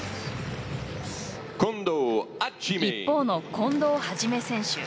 一方の近藤元選手。